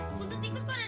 ah gua pengen jalan